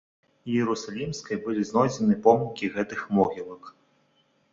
Іерусалімскай былі знойдзены помнікі гэтых могілак.